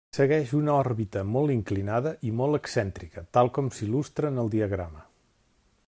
Segueix una òrbita molt inclinada i molt excèntrica, tal com s'il·lustra en el diagrama.